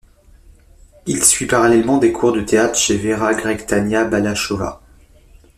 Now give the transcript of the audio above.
Il suit parallèlement des cours de théâtre chez Véra Gregh-Tania Balachova.